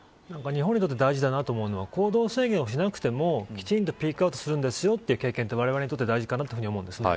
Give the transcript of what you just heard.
日本にとって大事なところは行動制限をしなくてもきちんとピークアウトするんですという経験は、われわれにとって大事だと思います。